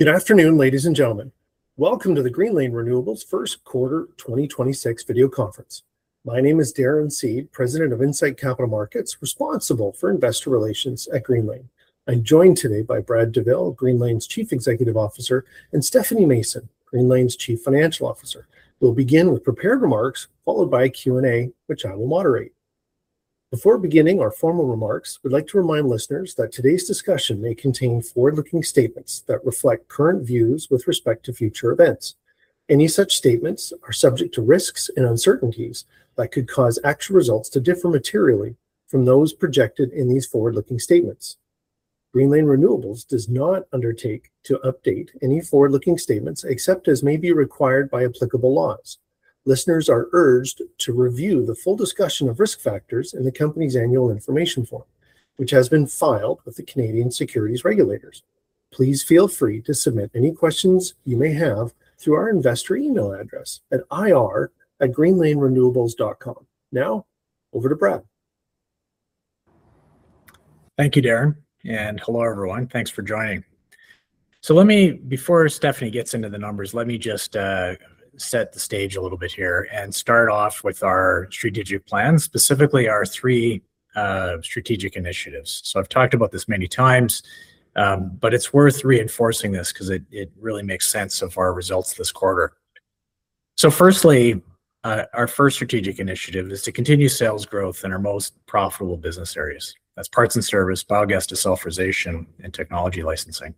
Good afternoon, ladies and gentlemen. Welcome to the Greenlane Renewables first quarter 2026 video conference. My name is Darren Seed, President of Incite Capital Markets, responsible for investor relations at Greenlane. I'm joined today by Brad Douville, Greenlane's Chief Executive Officer, and Stephanie Mason, Greenlane's Chief Financial Officer. We'll begin with prepared remarks, followed by a Q&A, which I will moderate. Before beginning our formal remarks, we'd like to remind listeners that today's discussion may contain forward-looking statements that reflect current views with respect to future events. Any such statements are subject to risks and uncertainties that could cause actual results to differ materially from those projected in these forward-looking statements. Greenlane Renewables does not undertake to update any forward-looking statements except as may be required by applicable laws. Listeners are urged to review the full discussion of risk factors in the company's Annual Information Form, which has been filed with the Canadian securities regulators. Please feel free to submit any questions you may have through our investor email address at ir@greenlanerenewables.com. Now, over to Brad. Thank you, Darren, and hello, everyone. Thanks for joining. Let me, before Stephanie gets into the numbers, let me just set the stage a little bit here and start off with our strategic plan, specifically our three strategic initiatives. I've talked about this many times, but it's worth reinforcing this 'cause it really makes sense of our results this quarter. Firstly, our first strategic initiative is to continue sales growth in our most profitable business areas. That's parts and service, biogas desulfurization, and technology licensing.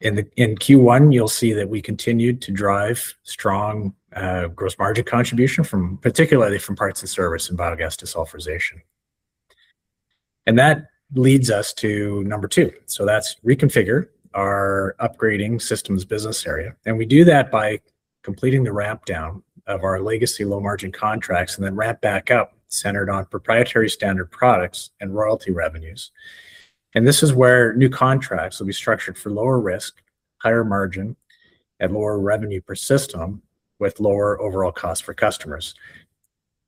In Q1, you'll see that we continued to drive strong gross margin contribution particularly from parts and service and biogas desulfurization. That leads us to number two. That's reconfigure our upgrading systems business area, and we do that by completing the ramp down of our legacy low-margin contracts and then ramp back up, centered on proprietary standard products and royalty revenues. This is where new contracts will be structured for lower risk, higher margin, and more revenue per system, with lower overall cost for customers.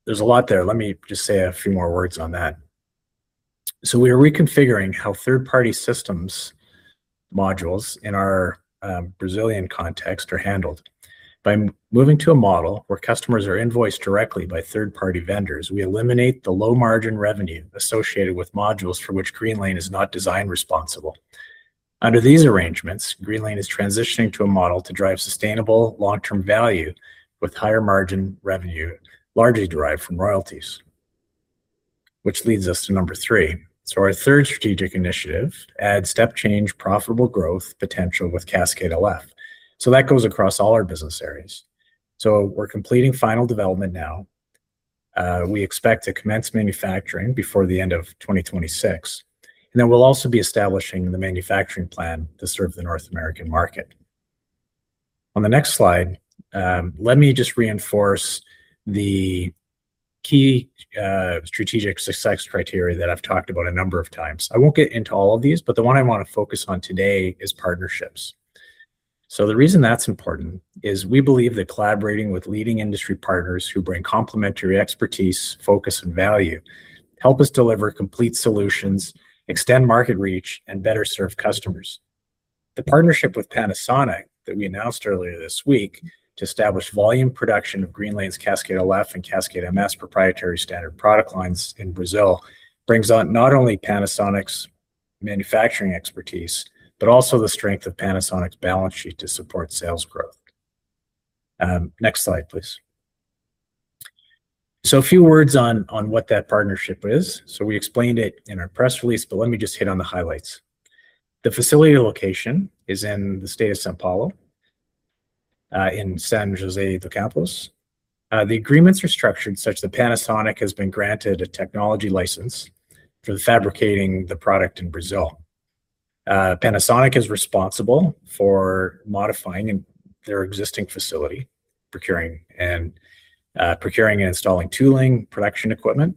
There's a lot there. Let me just say a few more words on that. We are reconfiguring how third-party systems modules in our Brazilian context are handled. By moving to a model where customers are invoiced directly by third-party vendors, we eliminate the low-margin revenue associated with modules for which Greenlane is not design responsible. Under these arrangements, Greenlane is transitioning to a model to drive sustainable long-term value with higher margin revenue, largely derived from royalties. Which leads us to number three. Our third strategic initiative, add step change profitable growth potential with Cascade LF. That goes across all our business areas. We're completing final development now. We expect to commence manufacturing before the end of 2026. We'll also be establishing the manufacturing plan to serve the North American market. On the next slide, let me just reinforce the key strategic success criteria that I've talked about a number of times. I won't get into all of these, but the one I wanna focus on today is partnerships. The reason that's important is we believe that collaborating with leading industry partners who bring complementary expertise, focus, and value, help us deliver complete solutions, extend market reach, and better serve customers. The partnership with Panasonic that we announced earlier this week to establish volume production of Greenlane's Cascade LF and Cascade MS proprietary standard product lines in Brazil brings on not only Panasonic's manufacturing expertise, but also the strength of Panasonic's balance sheet to support sales growth. Next slide, please. A few words on what that partnership is. We explained it in our press release, but let me just hit on the highlights. The facility location is in the state of São Paulo, in São José dos Campos. The agreements are structured such that Panasonic has been granted a technology license for fabricating the product in Brazil. Panasonic is responsible for modifying in their existing facility, procuring and installing tooling, production equipment,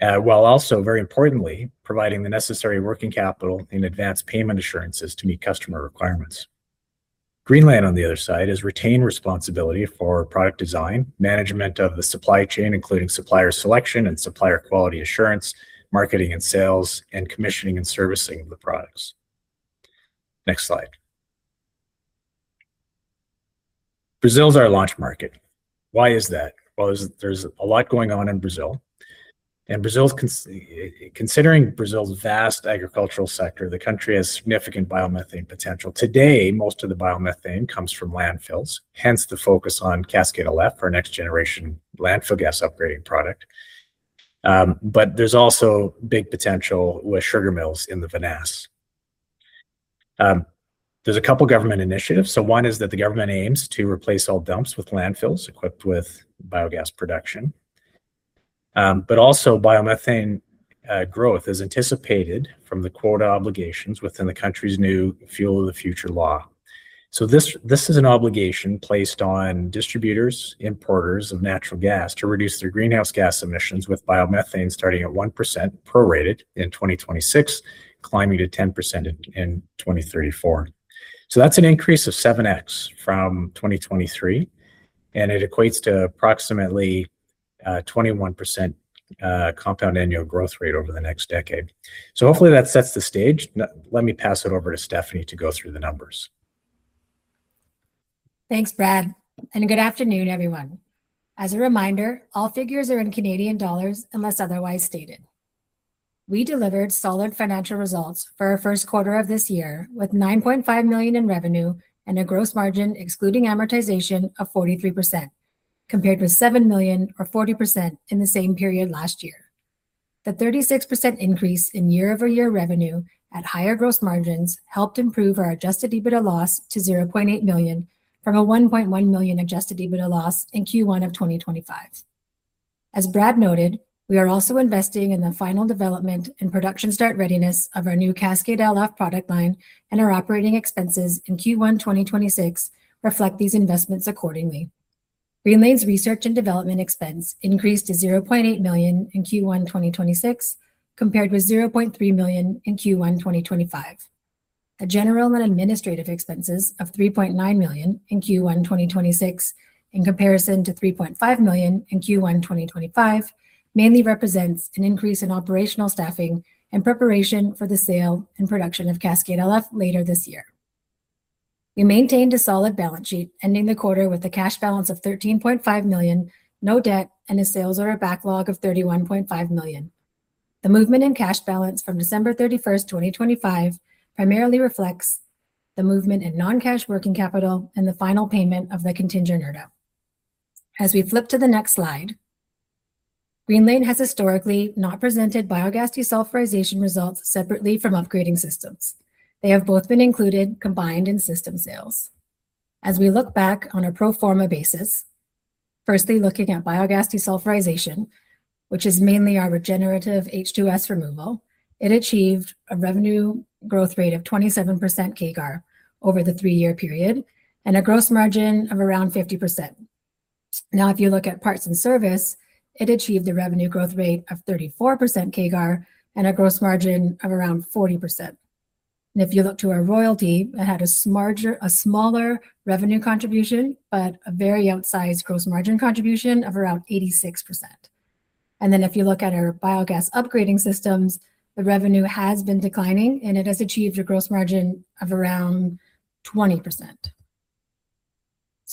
while also, very importantly, providing the necessary working capital and advanced payment assurances to meet customer requirements. Greenlane, on the other side, has retained responsibility for product design, management of the supply chain, including supplier selection and supplier quality assurance, marketing and sales, and commissioning and servicing of the products. Next slide. Brazil's our launch market. Why is that? Well, there's a lot going on in Brazil, and Brazil's Considering Brazil's vast agricultural sector, the country has significant biomethane potential. Today, most of the biomethane comes from landfills, hence the focus on Cascade LF for next generation landfill gas upgrading product. There's also big potential with sugar mills in the vinasse. There's a couple government initiatives. One is that the government aims to replace all dumps with landfills equipped with biogas production. Also biomethane growth is anticipated from the quota obligations within the country's new Fuel of the Future law. This is an obligation placed on distributors, importers of natural gas to reduce their greenhouse gas emissions with biomethane starting at 1% prorated in 2026, climbing to 10% in 2034. That's an increase of 7x from 2023, and it equates to approximately 21% compound annual growth rate over the next decade. Hopefully that sets the stage. Let me pass it over to Stephanie to go through the numbers. Thanks, Brad. Good afternoon, everyone. As a reminder, all figures are in Canadian dollars, unless otherwise stated. We delivered solid financial results for our first quarter of this year, with 9.5 million in revenue and a gross margin excluding amortization of 43%, compared with 7 million or 40% in the same period last year. The 36% increase in year-over-year revenue at higher gross margins helped improve our adjusted EBITDA loss to 0.8 million from a 1.1 million adjusted EBITDA loss in Q1 2025. As Brad noted, we are also investing in the final development and production start readiness of our new Cascade LF product line, and our operating expenses in Q1 2026 reflect these investments accordingly. Greenlane's research and development expense increased to 0.8 million in Q1 2026, compared with 0.3 million in Q1 2025. The general and administrative expenses of 3.9 million in Q1 2026, in comparison to 3.5 million in Q1 2025, mainly represents an increase in operational staffing in preparation for the sale and production of Cascade LF later this year. We maintained a solid balance sheet, ending the quarter with a cash balance of 13.5 million, no debt, and a sales order backlog of 31.5 million. The movement in cash balance from December 31st, 2025 primarily reflects the movement in non-cash working capital and the final payment of the contingent earn-out. As we flip to the next slide, Greenlane has historically not presented biogas desulfurization results separately from upgrading systems. They have both been included combined in system sales. As we look back on a pro forma basis, firstly looking at biogas desulfurization, which is mainly our regenerative H2S removal, it achieved a revenue growth rate of 27% CAGR over the three-year period, and a gross margin of around 50%. If you look at parts and service, it achieved a revenue growth rate of 34% CAGR and a gross margin of around 40%. If you look to our royalty, it had a smaller revenue contribution, but a very outsized gross margin contribution of around 86%. If you look at our biogas upgrading systems, the revenue has been declining, and it has achieved a gross margin of around 20%.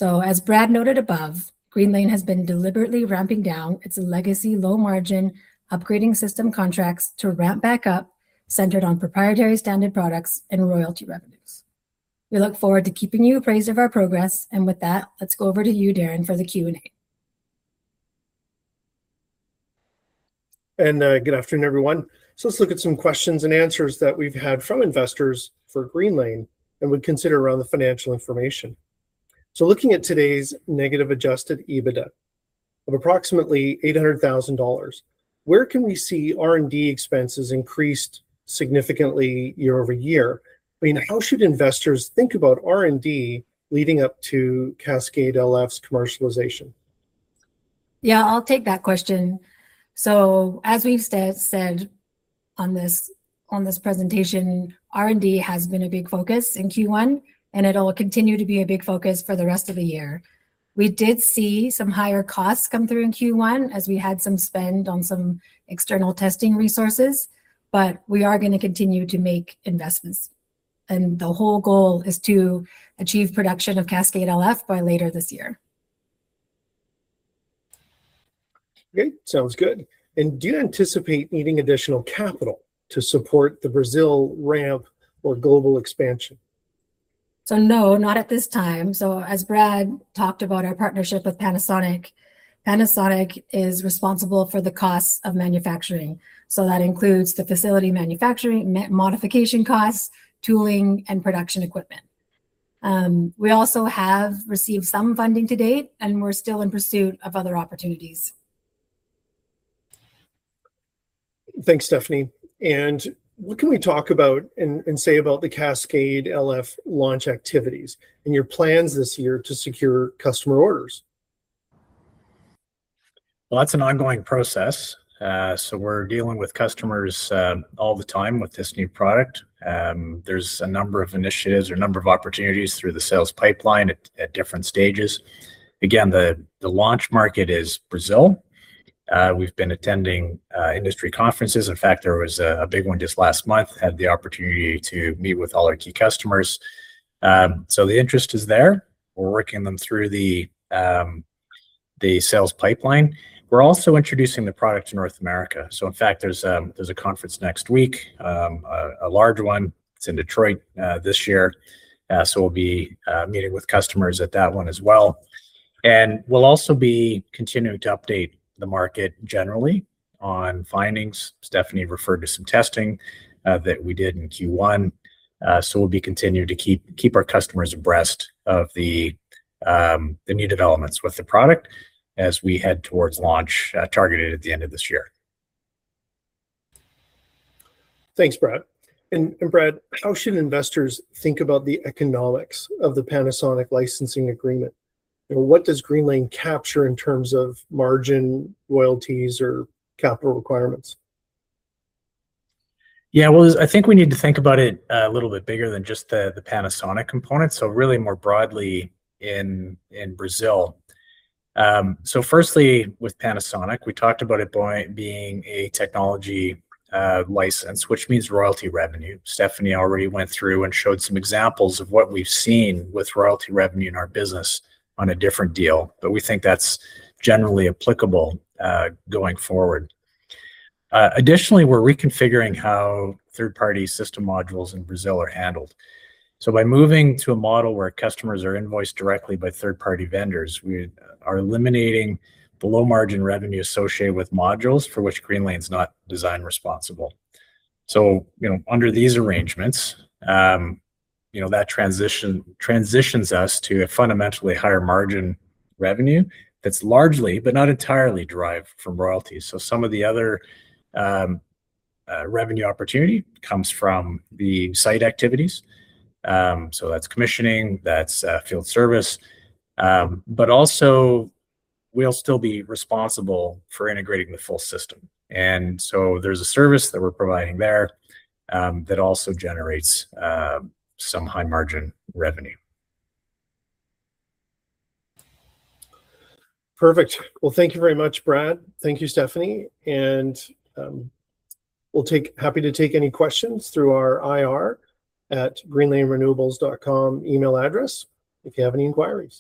As Brad noted above, Greenlane has been deliberately ramping down its legacy low-margin upgrading system contracts to ramp back up, centered on proprietary standard products and royalty revenues. We look forward to keeping you appraised of our progress. With that, let's go over to you, Darren, for the Q&A. Good afternoon, everyone. Let's look at some questions and answers that we've had from investors for Greenlane and would consider around the financial information. Looking at today's negative adjusted EBITDA of approximately 800,000 dollars, where can we see R&D expenses increased significantly year-over-year? I mean, how should investors think about R&D leading up to Cascade LF's commercialization? Yeah, I'll take that question. As we've said on this presentation, R&D has been a big focus in Q1, and it'll continue to be a big focus for the rest of the year. We did see some higher costs come through in Q1, as we had some spend on some external testing resources, but we are gonna continue to make investments. The whole goal is to achieve production of Cascade LF by later this year. Great. Sounds good. Do you anticipate needing additional capital to support the Brazil ramp or global expansion? No, not at this time. As Brad talked about our partnership with Panasonic is responsible for the costs of manufacturing. That includes the facility manufacturing, modification costs, tooling, and production equipment. We also have received some funding to date, and we're still in pursuit of other opportunities. Thanks, Stephanie. What can we talk about and say about the Cascade LF launch activities and your plans this year to secure customer orders? Well, that's an ongoing process. We're dealing with customers all the time with this new product. There's a number of initiatives or number of opportunities through the sales pipeline at different stages. Again, the launch market is Brazil. We've been attending industry conferences. In fact, there was a big one just last month. Had the opportunity to meet with all our key customers. The interest is there. We're working them through the sales pipeline. We're also introducing the product to North America. In fact, there's a conference next week, a large one. It's in Detroit this year. We'll be meeting with customers at that one as well. We'll also be continuing to update the market generally on findings. Stephanie referred to some testing that we did in Q1. We'll be continuing to keep our customers abreast of the new developments with the product as we head towards launch targeted at the end of this year. Thanks, Brad. Brad, how should investors think about the economics of the Panasonic licensing agreement? You know, what does Greenlane capture in terms of margin, royalties, or capital requirements? Yeah, well, I think we need to think about it a little bit bigger than just the Panasonic component, so really more broadly in Brazil. Firstly, with Panasonic, we talked about it being a technology license, which means royalty revenue. Stephanie already went through and showed some examples of what we've seen with royalty revenue in our business on a different deal, we think that's generally applicable going forward. Additionally, we're reconfiguring how third-party system modules in Brazil are handled. By moving to a model where customers are invoiced directly by third-party vendors, we are eliminating the low margin revenue associated with modules for which Greenlane's not design responsible. You know, under these arrangements, you know, that transitions us to a fundamentally higher margin revenue that's largely, but not entirely, derived from royalties. Some of the other revenue opportunity comes from the site activities. That's commissioning, that's field service. But also, we'll still be responsible for integrating the full system. There's a service that we're providing there that also generates some high margin revenue. Perfect. Well, thank you very much, Brad. Thank you, Stephanie. Happy to take any questions through our ir@greenlanerenewables.com email address if you have any inquiries.